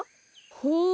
ほう。